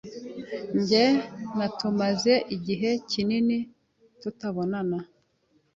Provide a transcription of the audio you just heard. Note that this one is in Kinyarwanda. Jye na tumaze igihe kinini tutabonana.